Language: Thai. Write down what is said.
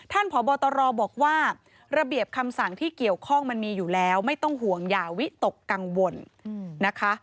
พบตรบอกว่าระเบียบคำสั่งที่เกี่ยวข้องมันมีอยู่แล้วไม่ต้องห่วงอย่าวิตกกังวลนะคะ